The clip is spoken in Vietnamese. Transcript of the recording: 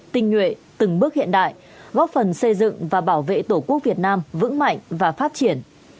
tinh nhuệ từng bước hiện đại góp phần xây dựng và bảo vệ tổ quốc việt nam vững mạnh và phát triển